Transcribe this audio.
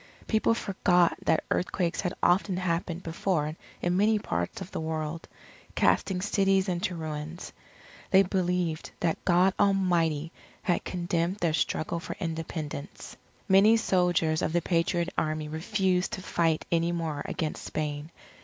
People forgot that earthquakes had often happened before in many parts of the world, casting cities into ruins. They believed that God Almighty had condemned their struggle for Independence. Many soldiers of the Patriot Army refused to fight any more against Spain.